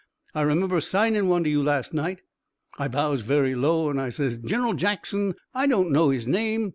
I remember 'signin' one to you last night.' I bows very low an' I says: 'Gin'ral Jackson, I don't know his name.